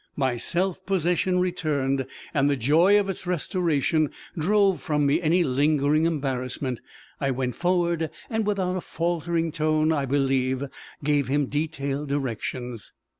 My self possession returned, and the joy of its restoration drove from me any lingering embarrassment. I went forward, and without a faltering tone, I believe, gave him detailed directions.